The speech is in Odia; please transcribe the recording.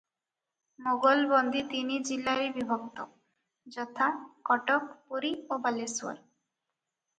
ମୋଗଲବନ୍ଦୀ ତିନି ଜିଲାରେ ବିଭକ୍ତ, ଯଥା:-କଟକ, ପୁରୀ ଓ ବାଲେଶ୍ୱର ।